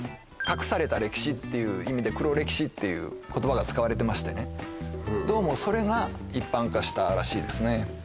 隠された歴史っていう意味で「黒歴史」っていう言葉が使われてましてねどうもそれが一般化したらしいですね